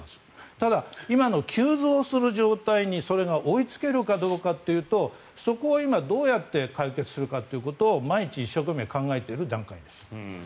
ただ、今の急増する状態にそれが追いつけるかどうかというとそこを今、どうやって解決するかということを毎日一生懸命考えている段階です。